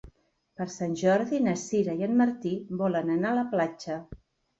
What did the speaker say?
Per Sant Jordi na Sira i en Martí volen anar a la platja.